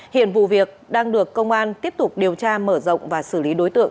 hiện vụ việc đang được công an tiếp tục điều tra mở rộng và xử lý đối tượng